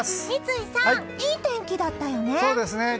三井さん、いい天気だったよね。